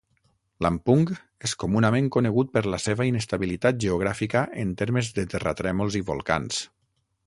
Lampung és comunament conegut per la seva inestabilitat geogràfica en termes de terratrèmols i volcans.